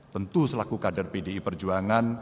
tentu selaku kader pdi perjuangan